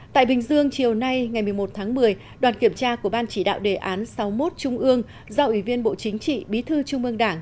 tại bình dương chiều nay ngày một mươi một tháng một mươi đoàn kiểm tra của ban chỉ đạo đề án sáu mươi một trung ương do ủy viên bộ chính trị bí thư trung ương đảng